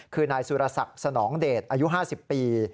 คือนายสุรศักดิ์สนองเดชอายุ๕๐ปี